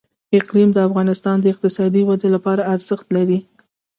اقلیم د افغانستان د اقتصادي ودې لپاره ارزښت لري.